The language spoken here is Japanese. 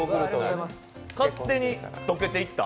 勝手に溶けていった。